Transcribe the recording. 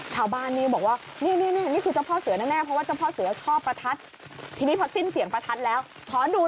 เหมือนกันดีใจรับรู้